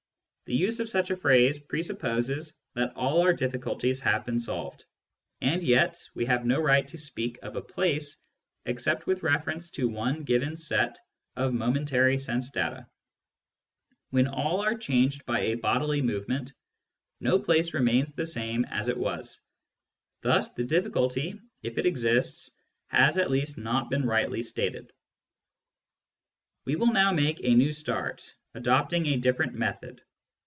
The use of such a phrase presupposes that all our difficulties have been solved ; as yet, we have no right to speak of a " place '* except with reference to one given set of momentary sense data. When all are changed by a bodily movement, no place remains the Digitized by Google THE EXTERNAL WORLD 87 same as it was. Thus the difficulty, if it exists, has at least not been rightly stated. We will now make a new start, adopting a different method.